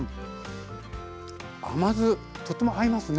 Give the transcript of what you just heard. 甘酢とっても合いますね。